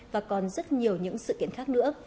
và còn rất nhiều những sự kiện khác nữa